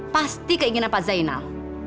pasti keinginan pak zainal